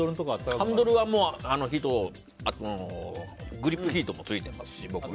ハンドルはグリップヒートもついてますし。